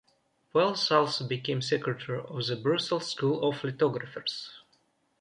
Poels also became secretary of the Brussels School of Lithographers.